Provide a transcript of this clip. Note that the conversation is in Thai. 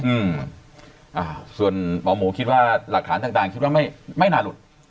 อืมส่วนหมอหมูคิดว่าหลักฐานต่างคิดว่าไม่นานหลุด